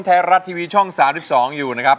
ไทยรัฐทีวีช่อง๓๒อยู่นะครับ